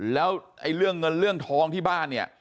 แล้วเรื่องเงินเรื่องทองที่บ้านเนี่ย